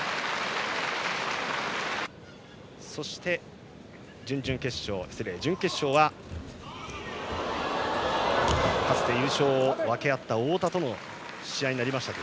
そして準決勝はかつて優勝を分け合った太田との試合になりました。